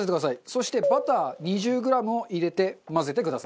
そしてバター２０グラムを入れて混ぜてください。